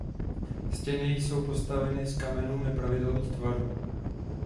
Stěny jsou postaveny z kamenů nepravidelných tvarů.